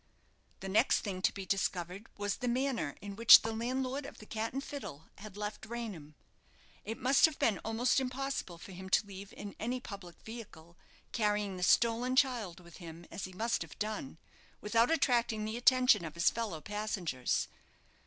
The next thing to be discovered was the manner in which the landlord of the "Cat and Fiddle" had left Raynham. It must have been almost impossible for him to leave in any public vehicle, carrying the stolen child with him, as he must have done, without attracting the attention of his fellow passengers.